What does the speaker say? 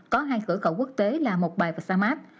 có hai cửa khẩu quốc tế là mộc bài và sa mát